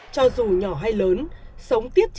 cho dù nhỏ hay lớn